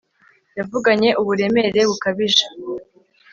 Yavuganye uburemere bukabije